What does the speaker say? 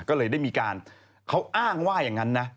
ก็เลยได้มีการเขาอ้างว่าอย่างนั้นนะ